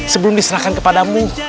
sebelum diserahkan kepadamu